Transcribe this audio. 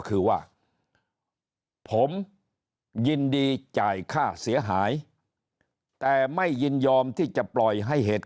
คือว่าผมยินดีจ่ายค่าเสียหายแต่ไม่ยินยอมที่จะปล่อยให้เหตุ